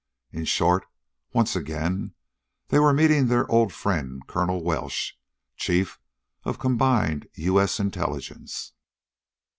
In short, once again they were meeting their old friend Colonel Welsh, Chief of Combined U.S. Intelligence.